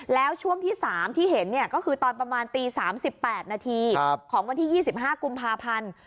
แล้วช่วงที่๓ที่เห็นก็คือตอนประมาณตี๓๘นาทีของวันที่๒๕กุมภาพันธ์